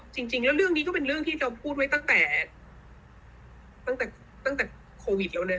จริงแล้วเรื่องนี้ก็เป็นเรื่องที่เราพูดไว้ตั้งแต่ตั้งแต่โควิดแล้วนะ